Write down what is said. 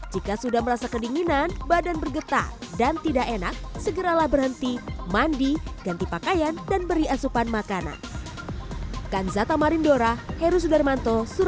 jika sudah merasa kedinginan badan bergetar dan tidak enak segeralah berhenti mandi ganti pakaian dan beri asupan makanan